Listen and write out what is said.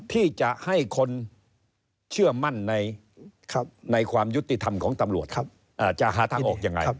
ที่จะให้คนเชื่อมั่นในความยุติธรรมของตำรวจครับจะหาทางออกยังไง